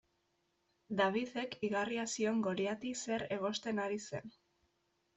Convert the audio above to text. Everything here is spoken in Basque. Davidek igarria zion Goliati zer egosten ari zen.